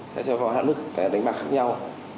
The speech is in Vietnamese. sẽ cho họ hạn mức đánh bạc khác nhau